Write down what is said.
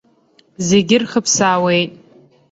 Зегьы рхыԥсаауеит.